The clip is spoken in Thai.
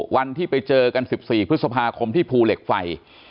วันที่ไปเจอกัน๑๔พฤษภาคมที่ภูเหล็กไฟ